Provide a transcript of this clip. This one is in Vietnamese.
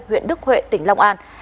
huyện đức huệ tỉnh long an